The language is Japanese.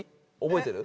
覚えてる？